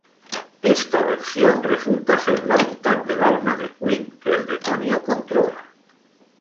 Esta versión resulta ser la mitad del alma de Quinn que el demonio controla.